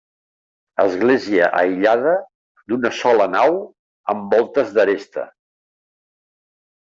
Església aïllada, d'una sola nau amb voltes d'aresta.